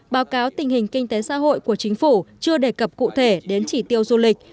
báo cáo tình hình kinh tế xã hội của chính phủ chưa đề cập cụ thể đến chỉ tiêu du lịch